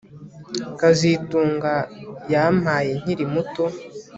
kazitunga yampaye nkiri muto